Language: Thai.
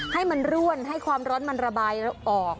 ให้มันร่วนให้ความร้อนมันระบายออก